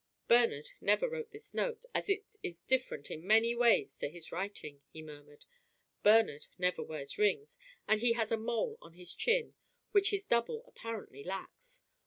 "Bernard never wrote this note, as it is different in many ways to his writing," he murmured. "Bernard never wears rings, and he has a mole on his chin which this double apparently lacks.